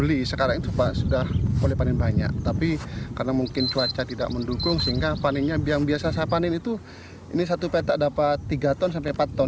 ini satu petak dapat tiga ton sampai empat ton